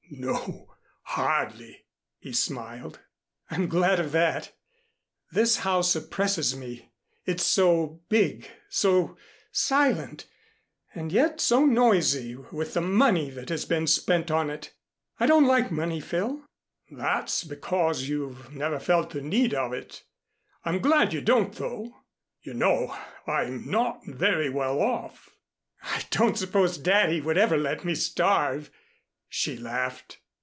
"No hardly " he smiled. "I'm glad of that. This house oppresses me. It's so big so silent and yet so noisy with the money that has been spent on it. I don't like money, Phil." "That's because you've never felt the need of it. I'm glad you don't, though. You know I'm not very well off." "I don't suppose Daddy would ever let me starve," she laughed.